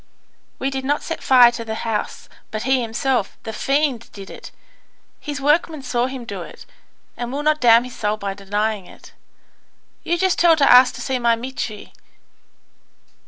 "We did not set fire to the house, but he himself, the fiend, did it; his workman saw him do it, and will not damn his soul by denying it. You just tell to ask to see my Mitri.